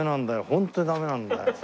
ホントにダメなんだよ。